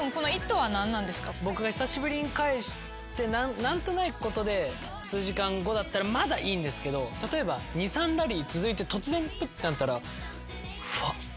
僕が久しぶりに返して何とないことで数時間後だったらまだいいんですけど例えば２３ラリー続いて突然プッてなったら。